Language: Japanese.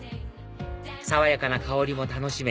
爽やかな香りも楽しめ